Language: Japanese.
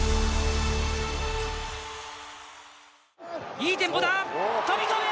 いいテンポだ、飛び込む！